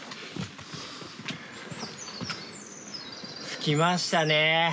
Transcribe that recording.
着きましたね。